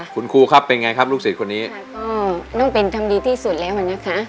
คุณครูครับเป็นไงครับลูกศิษย์คนนี้ก็ต้องเป็นทำดีที่สุดแล้วอะนะคะ